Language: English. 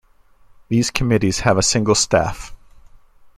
These committees have a single staff.